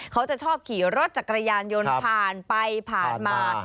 เขาจะชอบขี่รถจักรยานยนต์ผ่านไปผ่านมา